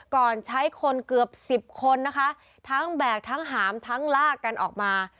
ก่อนใช้คนเกือบสิบคนนะคะทั้งแบกทั้งหามทั้งลากกันออกมา